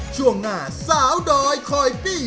ช่วงหน้าสาวดอยคอยปี้